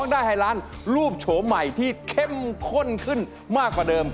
ขอให้นู้สู่เผื่อพอต่อไป